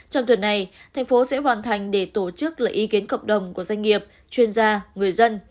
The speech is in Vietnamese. trong tuần này thành phố sẽ hoàn thành để tổ chức lấy ý kiến cộng đồng của doanh nghiệp chuyên gia người dân